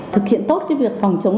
thực hiện tốt cái việc phòng chống